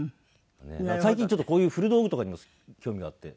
最近ちょっとこういう古道具とかにも興味があって。